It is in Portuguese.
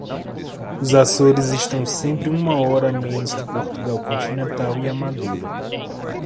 Os Açores estão sempre uma hora a menos que Portugal continental e a Madeira.